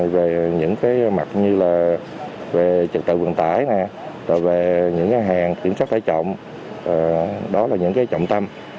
về những mặt như trật tự quần tải hàng kiểm soát hải trọng trọng tâm